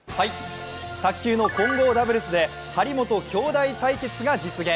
卓球の混合ダブルスで張本きょうだい対決が実現。